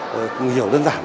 môn ngữ văn hiểu dân dạng